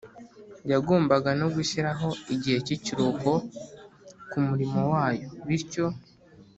yagombaga no gushyiraho igihe cy’ikiruhuko ku murimo Wayo, bityo